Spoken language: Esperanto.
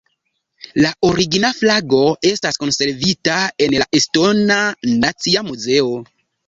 La origina flago estas konservita en la estona nacia muzeo.